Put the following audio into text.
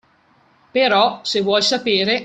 Però, se vuol sapere.